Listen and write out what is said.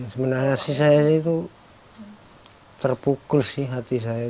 sebenarnya sih saya itu terpukul sih hati saya